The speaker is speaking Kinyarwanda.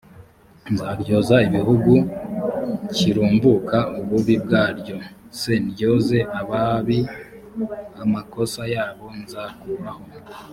nzaryoza igihugu kirumbuka ububi bwacyo c ndyoze ababi amakosa yabo nzakuraho